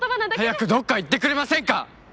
早くどっか行ってくれませんか？